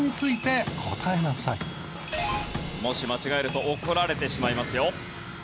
もし間違えると怒られてしまいますよ。